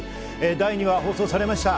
第２話が放送されました。